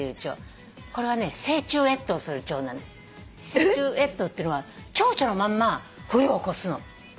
成虫越冬っていうのはチョウチョのまんま冬を越すの。